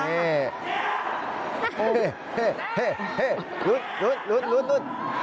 เฮ่หลุด